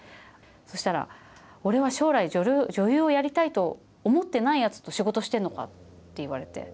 そしたら、俺は将来女優をやりたいと思ってないやつと仕事してるのかって言われて。